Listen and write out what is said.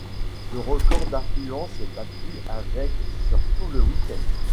Le record d’affluence est battu avec sur tout le week-end.